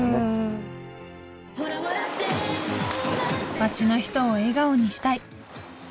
町の人を笑顔にしたい。